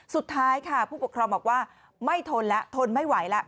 สุดท้ายค่ะผู้ปกครองบอกว่าไม่ทนแล้วทนไม่ไหวแล้ว